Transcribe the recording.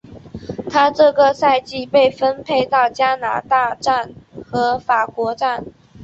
她这个赛季被分配到加拿大站和法国站。